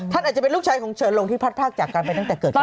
อาจจะเป็นลูกชายของเฉินลงที่พัดภาคจากกันไปตั้งแต่เกิดการ